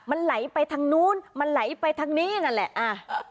มันไหลไปทางนู้นมันไหลไปทางนี้นั่นแหละอ่า